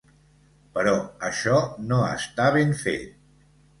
Però això no està ben fet.